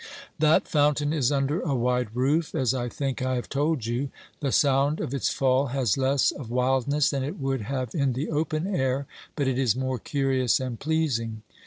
That fountain is under a wide roof, as I think I have told you ; the sound of its fall has less of wildness than it would have in the open air, but it is more curious and pleasing.